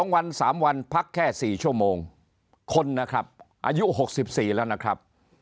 ๒วัน๓วันพักแค่๔ชั่วโมงคนนะครับอายุ๖๔แล้วนะครับ